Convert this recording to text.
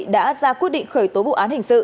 đã ra quyết định khởi tố vụ án hình sự